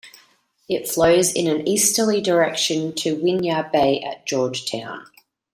It flows in an easterly direction to Winyah Bay at Georgetown.